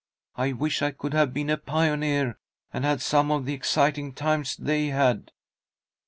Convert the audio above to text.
I wish I could have been a pioneer, and had some of the exciting times they had."